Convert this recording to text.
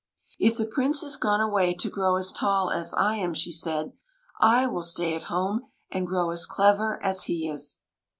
If the Prince has gone away to grow as tall as I am," she said, "/ will stay at home and grow as clever as he is